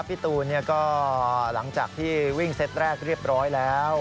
พี่ตูนก็หลังจากที่วิ่งเซตแรกเรียบร้อยแล้ว